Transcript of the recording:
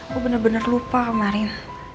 gue bener bener lupa kemarin